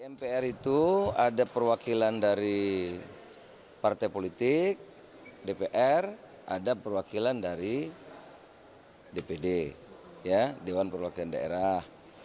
mpr itu ada perwakilan dari partai politik dpr ada perwakilan dari dpd dewan perwakilan daerah